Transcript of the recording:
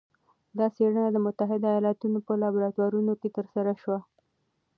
دا څېړنه د متحده ایالتونو په لابراتورونو کې ترسره شوه.